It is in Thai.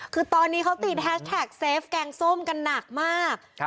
คือตอนนี้เขาติดแฮชแท็กเซฟแกงส้มกันหนักมาก